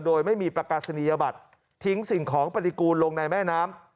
โดยไม่มีประกาศนียบัตรทิ้งสิ่งของปฏิกูลลงในแม่น้ำ